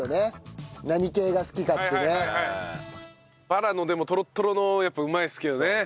バラのでもトロットロのやっぱうまいですけどね。